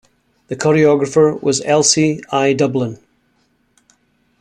The choreographer was Else I. Dublin.